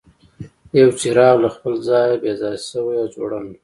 یو څراغ له خپل ځایه بې ځایه شوی او ځوړند و.